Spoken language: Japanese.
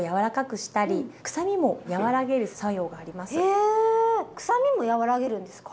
へえくさみも和らげるんですか？